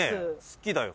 好きだよ